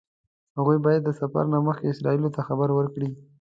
هغوی باید د سفر نه مخکې اسرائیلو ته خبر ورکړي.